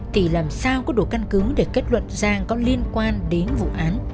thì làm sao có đủ căn cứ để kết luận giang có liên quan đến vụ án